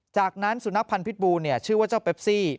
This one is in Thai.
จากนั้นสุนัขพันธ์พิษบูชื่อว่าเจ้าเปปซี่